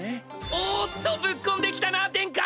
おっとぶっ込んできたな殿下！